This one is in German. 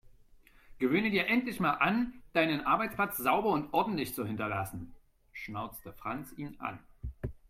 "Gewöhne dir endlich mal an, deinen Arbeitsplatz sauber und ordentlich zu hinterlassen", schnauzte Franz ihn an.